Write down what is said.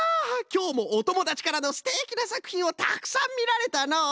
きょうもおともだちからのすてきなさくひんをたくさんみられたのう！